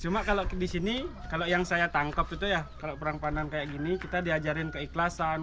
cuma kalau di sini kalau yang saya tangkap itu ya kalau perang pandan kayak gini kita diajarin keikhlasan